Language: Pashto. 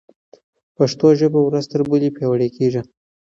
پښتو ژبه ورځ تر بلې پیاوړې کېږي.